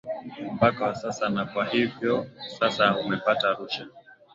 mpaka wa sasa na kwa hivyo sasa umepata rusha